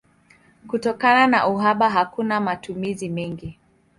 Kutokana na uhaba hakuna matumizi mengi.